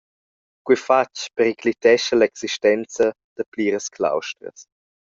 Quei fatg periclitescha l’existenza da pliras claustras.